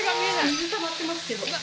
みずたまってますけど。